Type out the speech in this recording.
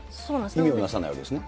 意味をなさないわけですね。